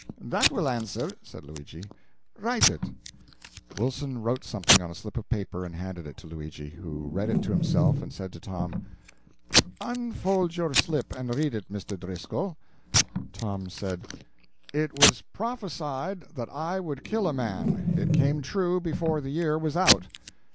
"That will answer," said Luigi; "write it." Wilson wrote something on a slip of paper and handed it to Luigi, who read it to himself and said to Tom "Unfold your slip and read it, Mr. Driscoll." Tom read: "It was prophesied that I would kill a man. It came true before the year was out."